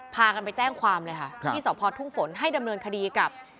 พากันไปแจ้งความเลยค่ะที่สพทุ่งฝนให้ดำเนินคดีกับ